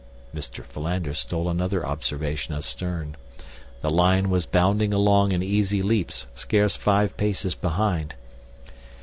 Mr. Philander stole another observation astern. The lion was bounding along in easy leaps scarce five paces behind.